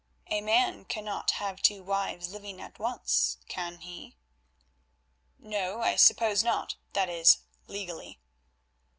"A man can't have two wives living at once, can he?" "No, I suppose not—that is, legally."